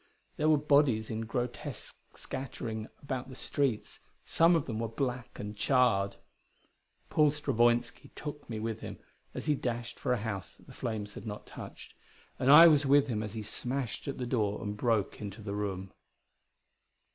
There were bodies in grotesque scattering about the streets; some of them were black and charred. Paul Stravoinski took me with him as he dashed for a house that the flames had not touched. And I was with him as he smashed at the door and broke into the room.